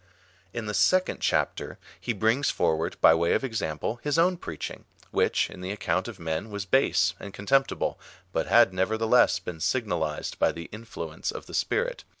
In the second chapter he brings forward, by way of ex ample, his own preaching, which, in the account of men, was base and contemptible, but had nevertheless been signalized by the influence of the Sj)irit.